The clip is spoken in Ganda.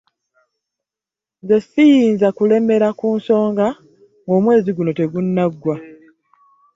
Nze siyinza kulemera ku nsonga ng'omwezi guno tegunaggwa.